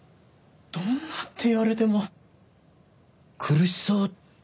どんなって言われても苦しそうっていうか。